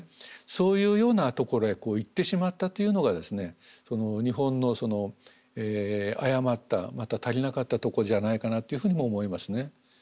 そういうようなところへいってしまったというのがですね日本の誤ったまた足りなかったとこじゃないかなっていうふうにも思いますね。